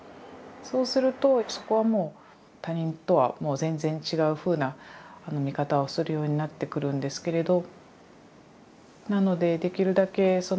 そうするとそこはもう他人とは全然違うふうな見方をするようになってくるんですけれど。